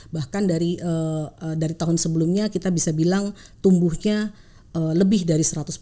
bahkan dari tahun sebelumnya kita bisa bilang tumbuhnya lebih dari seratus